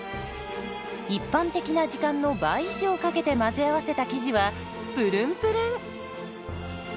一般的な時間の倍以上かけて混ぜ合わせた生地はプルンプルン。